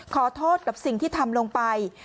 ขอโทษกับสิ่งที่ทำลงไป